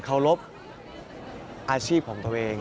เคารพอาชีพของตัวเอง